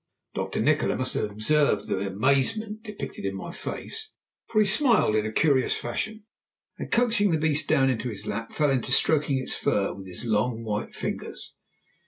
Dr. Nikola must have observed the amazement depicted in my face, for he smiled in a curious fashion, and coaxing the beast down into his lap fell to stroking its fur with his long, white fingers.